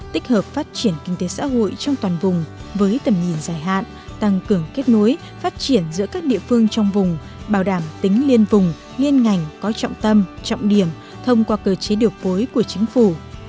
tích hợp phát triển kinh tế xã hội trong toàn vùng với tầm nhìn dài hạn tăng cường kết nối phát triển giữa các địa phương trong vùng bảo đảm tính liên vùng liên ngành có trọng tâm trọng điểm thông qua cơ chế điều phối của chính phủ